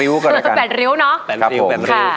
วันนี้เป็น๘ริ้วเนาะ